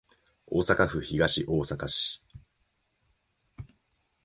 大阪府東大阪市